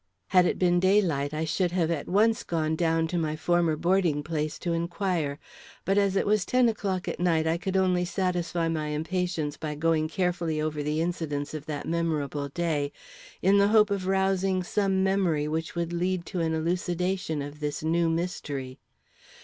Had it been daylight I should have at once gone down to my former boarding place to inquire; but as it was ten o'clock at night, I could only satisfy my impatience by going carefully over the incidents of that memorable day, in the hope of rousing some memory which would lead to an elucidation of this new mystery.